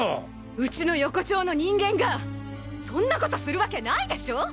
うちの横丁の人間がそんな事するわけないでしょう！